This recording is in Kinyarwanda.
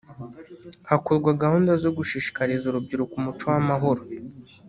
Hakorwa gahunda zo gushishikariza urubyiruko umuco w’amahoro